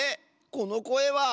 このこえは。